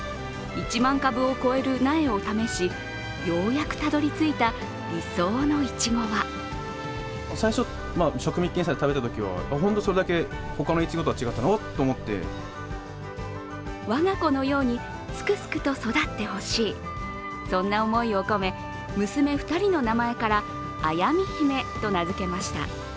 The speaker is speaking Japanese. １万株を超える苗を試し、ようやくたどりついた理想のいちごは我が子のようにすくすくと育ってほしい、そんな思いを込め、娘２人の名前から綾美姫と名付けました。